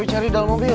yuk cari dalam mobil